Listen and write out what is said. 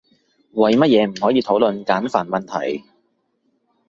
為乜嘢唔可以討論簡繁問題？